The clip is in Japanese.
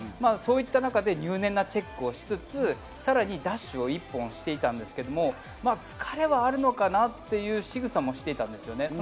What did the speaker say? そういった中で入念なチェックをしつつ、さらにダッシュを１本していたんですけど、疲れはあるのかなというしぐさもしていたんですね。